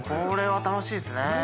これは楽しいですね。